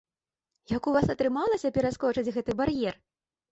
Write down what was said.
Як у вас атрымалася пераскочыць гэты бар'ер?